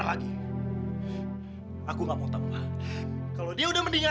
hai iya aku masih menyimpannya